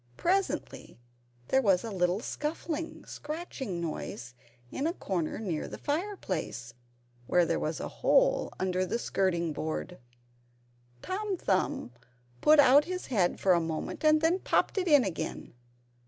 Presently there was a little scuffling, scratching noise in a corner near the fireplace, where there was a hole under the skirting board. Tom Thumb put out his head for a moment, and then popped it in again.